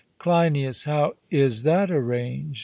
CLEINIAS: How is that arranged?